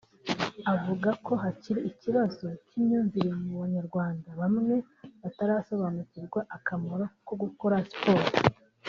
avuga ko hakiri ikibazo cy’imyumvire mu Banyarwanda bamwe batarasobanukirwa akamaro ko gukora siporo